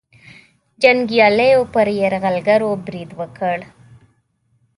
جنګیالیو پر یرغلګرو برید وکړ.